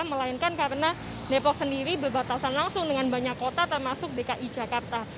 melainkan karena depok sendiri berbatasan langsung dengan banyak kota termasuk dki jakarta